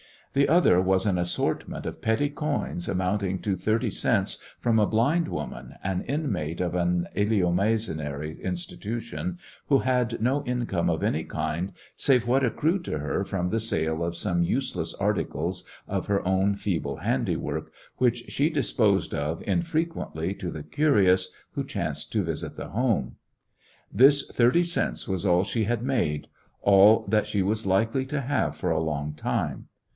The other was an assortment of petty coins, amounting to thirty cents, from a blind woman, an inmate of an eleemosynary institution, who had no income of any kind save what accrued to her from the sale of some useless articles of her own feeble handiwork, which she disposed of in frequently to the curious who chanced to visit the home. This thirty cents was all she had made, all that she was likely to have for a long time.